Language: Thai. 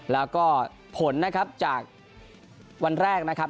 แล้วก็ผลนะครับจากวันแรกนะครับ